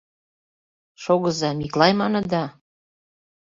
— Шогыза, Миклай маныда?